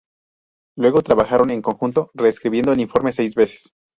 Luego trabajaron en conjunto, re-escribiendo el informe seis veces.